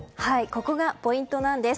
ここがポイントなんです。